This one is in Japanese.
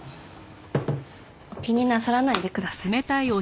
お気になさらないでください。